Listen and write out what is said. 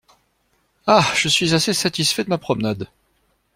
Ah, je suis assez satisfait de ma promenade!